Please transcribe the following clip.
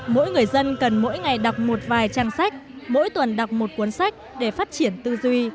mỗi người dân cần mỗi ngày đọc một vài trang sách mỗi tuần đọc một cuốn sách để phát triển tư duy